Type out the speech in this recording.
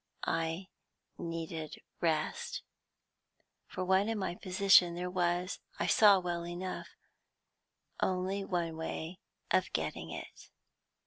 I needed rest. For one in my position there was, I saw well enough, only one way of getting it.